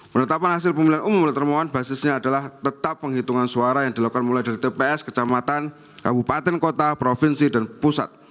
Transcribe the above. penetapan hasil pemilihan umum oleh termohon basisnya adalah tetap penghitungan suara yang dilakukan mulai dari tps kecamatan kabupaten kota provinsi dan pusat